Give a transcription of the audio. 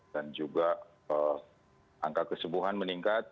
dan juga angka kesembuhan meningkat